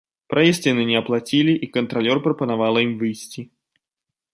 Праезд яны не аплацілі і кантралёр прапанавала ім выйсці.